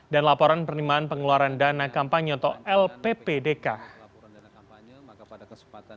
dan laporan penerimaan pengeluaran dana kampanye atau lppdk